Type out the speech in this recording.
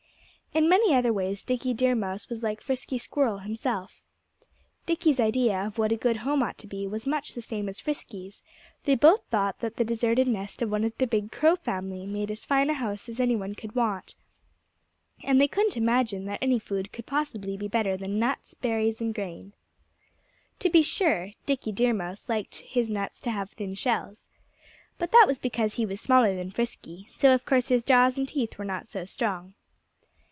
In many other ways Dickie Deer Mouse was like Frisky Squirrel himself. Dickie's idea of what a good home ought to be was much the same as Frisky's: they both thought that the deserted nest of one of the big Crow family made as fine a house as any one could want. And they couldn't imagine that any food could possibly be better than nuts, berries and grain. To be sure, Dickie Deer Mouse liked his nuts to have thin shells. But that was because he was smaller than Frisky; so of course his jaws and teeth were not so strong.